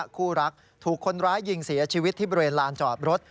คู่รักถูกคนร้ายยิงเสียชีวิตที่บริเวณลานจอดรถ